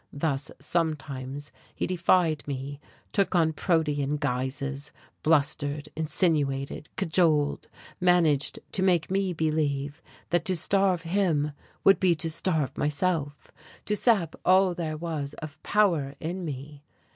Thus sometimes he defied me, took on Protean guises, blustered, insinuated, cajoled, managed to make me believe that to starve him would be to starve myself, to sap all there was of power in me.